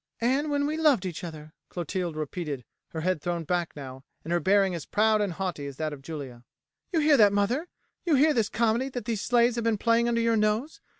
"And when we loved each other," Clotilde repeated, her head thrown back now, and her bearing as proud and haughty as that of Julia. "You hear that, mother? you hear this comedy that these slaves have been playing under your nose?